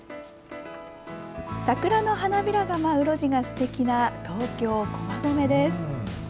桜の花びらが舞う路地がすてきな東京・駒込です。